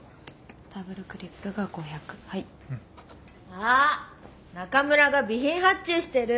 あ中村が備品発注してる。